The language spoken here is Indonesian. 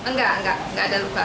nggak nggak ada luka